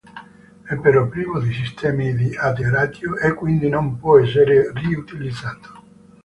È però privo di sistemi di atterraggio e quindi non può essere riutilizzato.